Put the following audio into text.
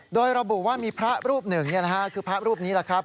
โดยระบุว่ามีพระรูปหนึ่งคือพระรูปนี้แหละครับ